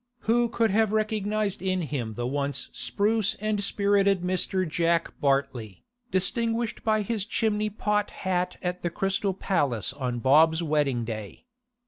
Who could have recognised in him the once spruce and spirited Mr. Jack Bartley, distinguished by his chimney pot hat at the Crystal Palace on Bob's wedding day?